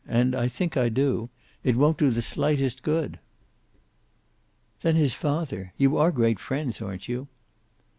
and I think I do it won't do the slightest good." "Then his father. You are great friends, aren't you?"